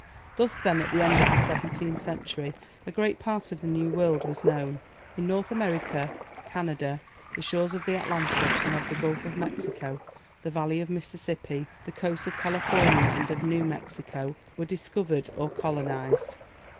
Thus then, at the end of the seventeenth century, a great part of the new world was known. In North America, Canada, the shores of the Atlantic and of the Gulf of Mexico, the valley of the Mississippi, the coasts of California and of New Mexico, were discovered or colonized.